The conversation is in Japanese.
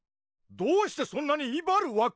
どうしてそんなにいばるわけ？